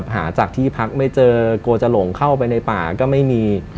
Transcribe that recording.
หาจากที่พักไม่เจอกลัวจะหลงเข้าไปในป่าก็ไม่มี